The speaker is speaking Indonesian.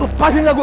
lepasin gak gue